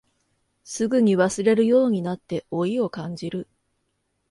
すぐに忘れるようになって老いを感じる